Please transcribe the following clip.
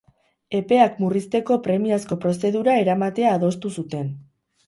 Epeak murrizteko premiazko prozedura eramatea adostu zuten.